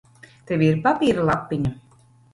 Tev ir papīra lapiņa?